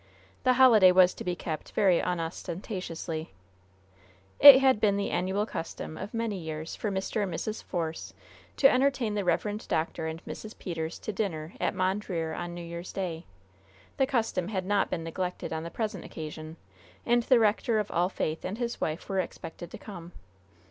The holiday was to be kept very unostentatiously. It had been the annual custom of many years for Mr. and Mrs. Force to entertain the Rev. Dr. and Mrs. Peters to dinner at Mondreer on New Year's Day. The custom had not been neglected on the present occasion, and the rector of All Faith and his wife were expected to come.